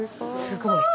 すごい。